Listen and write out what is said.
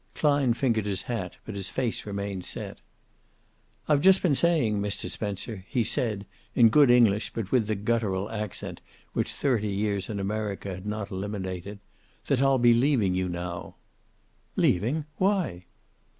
Klein fingered his hat, but his face remained set. "I've just been saying, Mr. Spencer," he said, in good English, but with the guttural accent which thirty years in America had not eliminated, "that I'll be leaving you now." "Leaving! Why?"